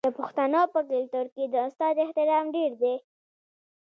د پښتنو په کلتور کې د استاد احترام ډیر دی.